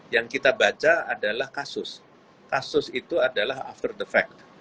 yang kita baca adalah kasus kasus itu adalah over the fact